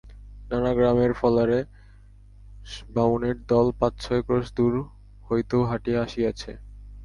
নানা গ্রামের ফলারে বামুনের দল পাঁচ-ছয় ক্রোশ দূর হইতেও হ্যাঁটিয়া আসিয়াছে।